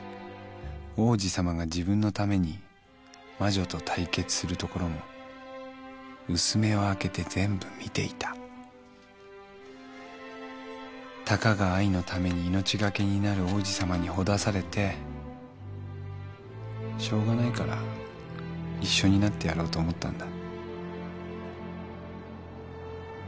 「王子さまが自分のために魔女と対決するところも薄目を開けて全部見ていた」「たかが愛のために命懸けになる王子さまにほだされてしょうがないから一緒になってやろうと思ったんだ」